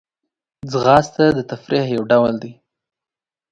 ځغاسته د تفریح یو ډول دی